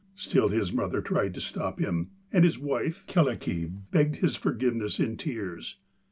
Still his mother tried to stop him, and his wife Kyllikki begged his forgiveness in tears.